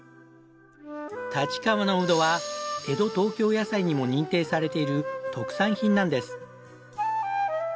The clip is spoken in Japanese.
立川のうどは江戸東京野菜にも認定されている特産品なんです。